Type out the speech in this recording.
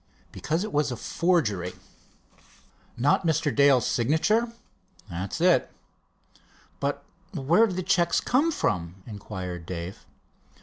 "Because it was a forgery." "Not Mr. Dale's signature?" "That's it." "But where did the checks come from?" inquired Dave.